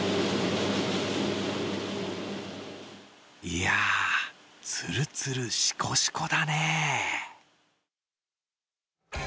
いや、つるつるしこしこだね